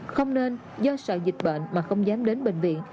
không nên do sợ dịch bệnh mà không dám đến bệnh viện